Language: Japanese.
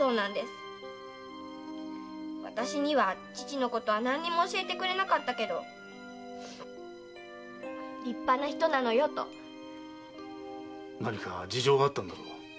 私には父のことは何にも教えてくれなかったけど「立派な人なのよ」と。何か事情があったんだろう。